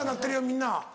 みんな。